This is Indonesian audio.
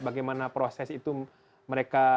bagaimana proses itu mereka